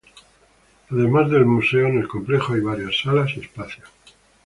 Además del museo, en el complejo hay varias salas y espacios.